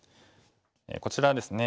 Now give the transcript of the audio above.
こちらですね